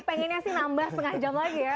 pengennya sih nambah setengah jam lagi ya